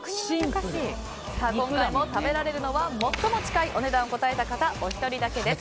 今回も食べられるのは最も近いお値段を答えた方おひとりだけです。